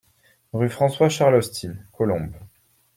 Rue François Charles Ostyn, Colombes